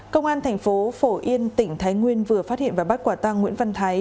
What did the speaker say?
công an thành phố phổ yên tỉnh thái nguyên vừa phát hiện và bắt quả tăng nguyễn văn thái